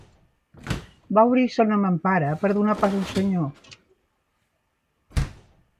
Va obrir-se una mampara per a donar pas a un senyor